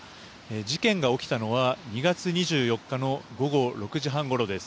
事件が起きたのは２月２４日の午後６時半ごろです。